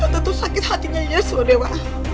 tentu sakit hatinya ya semua dewa